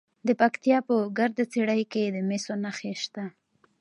د پکتیا په ګرده څیړۍ کې د مسو نښې شته.